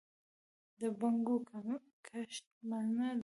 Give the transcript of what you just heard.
د بنګو کښت منع دی؟